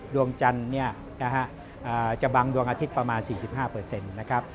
ดวงจันทร์จะบังดวงอาทิตย์ประมาณ๔๕นะครับ